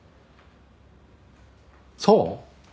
そう？